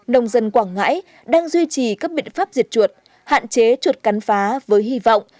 nông dân quảng ngãi đang duy trì các biện pháp diệt chuột hạn chế chuột cắn phá với hy vọng